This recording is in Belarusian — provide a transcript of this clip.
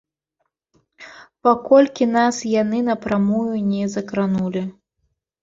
Паколькі нас яны напрамую не закранулі.